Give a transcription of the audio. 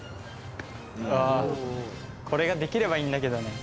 これができればいいんだけどね。